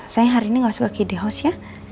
saya hari ini nggak masuk ke ide house ya